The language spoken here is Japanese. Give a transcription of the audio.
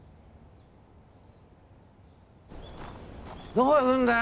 どこ行くんだよ！